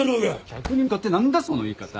客に向かって何だその言い方。